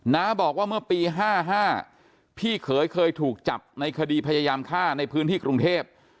น้าบอกว่าเมื่อปี๕๕พี่เขยเคยถูกจับในคดีพยายามฆ่าในพื้นที่กรุงเทพ